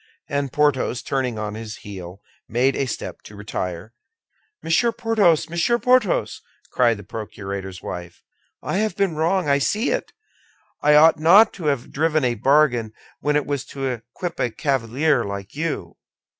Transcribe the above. And Porthos, turning on his heel, made a step to retire. "Monsieur Porthos! Monsieur Porthos!" cried the procurator's wife. "I have been wrong; I see it. I ought not to have driven a bargain when it was to equip a cavalier like you."